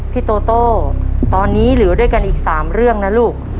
พี่โตโต้ตอนนี้เหลือด้วยกันอีก๓เรื่องนะลูก